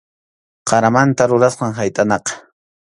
Qaramanta rurasqam haytʼanaqa.